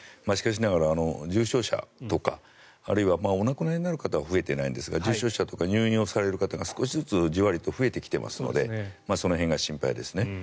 しかしながら、重症者とかあるいはお亡くなりになる方は増えていないんですが重症者、入院される方が少しずつ増えてきていますのでその辺が心配ですね。